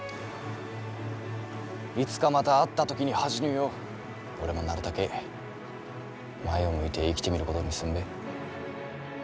いつかまた会った時に恥じぬよう俺もなるたけ前を向いて生きてみることにすんべぇ。